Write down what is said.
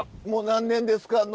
もう何年ですか？